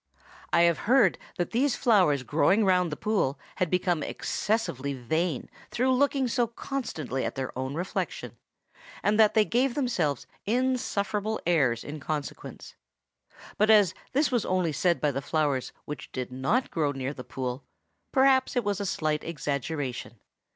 I have heard that these flowers growing round the pool had become excessively vain through looking so constantly at their own reflection, and that they gave themselves insufferable airs in consequence; but as this was only said by the flowers which did not grow near the pool, perhaps it was a slight exaggeration.